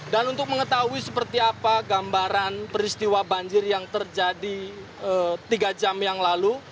dan untuk mengetahui seperti apa gambaran peristiwa banjir yang terjadi tiga jam yang lalu